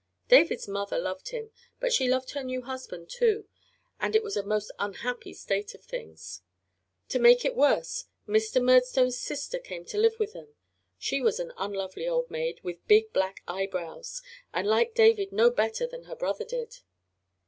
David's mother loved him, but she loved her new husband, too, and it was a most unhappy state of things. To make it worse, Mr. Murdstone's sister came to live with them. She was an unlovely old maid with big black eyebrows, and liked David no better than her brother did.